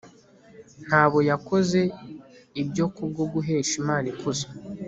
ntabo yakoze ibyo kubwo guhesha imana ikuzo